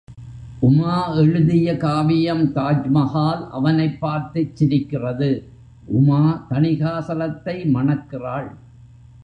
உமா எழுதிய காவியம் தாஜ்மகால் அவனைப் பார்த்துச் சிரிக்கிறது உமா தணிகாசலத்தை மணக்கிறாள்!